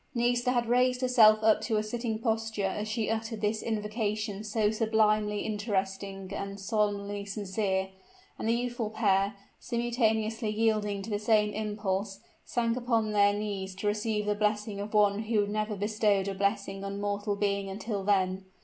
Nisida had raised herself up to a sitting posture as she uttered this invocation so sublimely interesting and solemnly sincere; and the youthful pair, simultaneously yielding to the same impulse, sank upon their knees to receive the blessing of one who had never bestowed a blessing on mortal being until then!